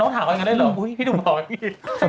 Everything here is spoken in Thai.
น้องถามกันได้เหรอพี่หนุ่มออกอย่างงี้